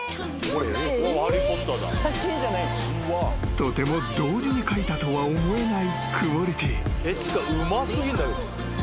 ［とても同時に描いたとは思えないクオリティー］